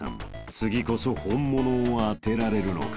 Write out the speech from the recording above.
次こそ本物を当てられるのか？］